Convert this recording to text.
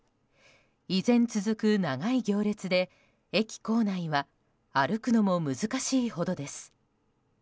依然続く長い行列で、駅構内は歩くのも難しいほどです。